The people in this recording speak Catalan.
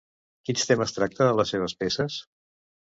Quins temes tracta a les seves peces?